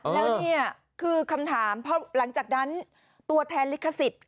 แล้วนี่คือคำถามเพราะหลังจากนั้นตัวแทนลิขสิทธิ์